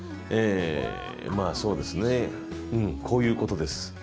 まあそうですねうんこういうことです。